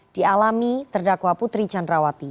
dialami terdakwa putri candrawati